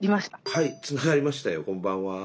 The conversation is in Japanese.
はいつながりましたよこんばんは。